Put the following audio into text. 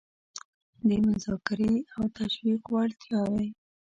د مذاکرې او تشویق وړتیاوې